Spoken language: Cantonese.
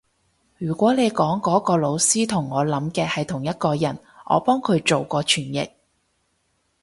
如果你講嗰個老師同我諗嘅係同一個人，我幫佢做過傳譯